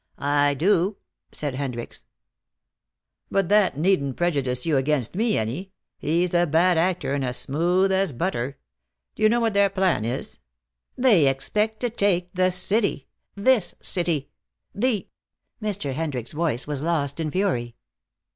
"I do," said Hendricks. "But that needn't prejudice you against me any. He's a bad actor, and as smooth as butter. D'you know what their plan is? They expect to take the city. This city! The " Mr. Hendrick's voice was lost in fury.